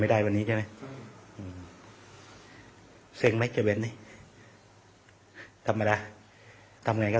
ไม่ได้วันนี้ใช่ไหมเสร็จไหมเจอเว็บนี้ตามเวลาตามไหนก็